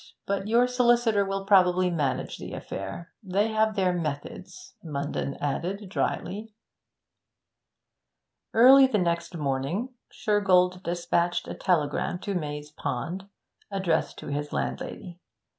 But your solicitor will probably manage the affair. They have their methods,' Munden added drily. Early the next morning Shergold despatched a telegram to Maze Pond, addressed to his landlady.